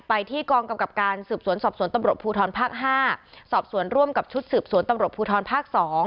ไปที่กองกำกับการสืบสวนสอบสวนตำรวจภูทรภาค๕สอบสวนร่วมกับชุดสืบสวนตำรวจภูทรภาค๒